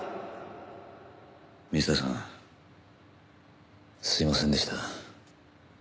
水田さんすいませんでした。